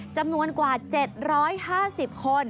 จำนวนกว่า๗๕๐คน